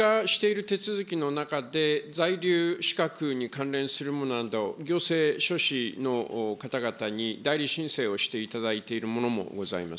オンライン化している手続きの中で在留資格に関連するものなど、行政書士の方々に代理申請をしていただいているものもございます。